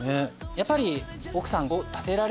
やっぱり。